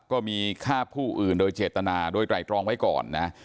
ก็มีฆ่าผู้อื่นโดยเจตนาโดยไตรตรองไว้ก่อนนะ